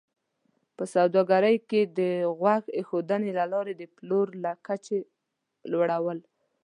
په سوداګرۍ کې د غوږ ایښودنې له لارې د پلور د کچې لوړول